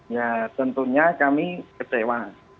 ya tentunya kami kecewa